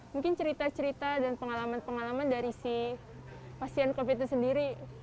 mungkin cerita cerita dan pengalaman pengalaman dari si pasien covid itu sendiri